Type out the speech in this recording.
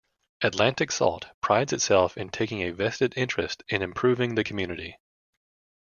Atlantic Salt prides itself in taking a vested interest in improving the community.